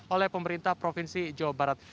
oleh pemerintah provinsi jawa barat